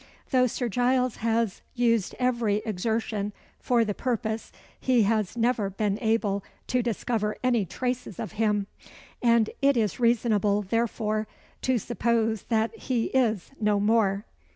Though Sir Giles has used every exertion for the purpose, he has never been able to discover any traces of him and it is reasonable, therefore, to suppose that he is no more."